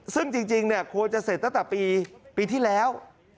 ซึ่งจริงควรจะเสร็จตั้งแต่ปีที่แล้ว